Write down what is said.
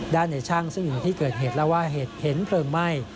ด้านในชั่งซึ่งอย่างที่เกิดเหตุแล้วว่าเหตุเผลิมไหม้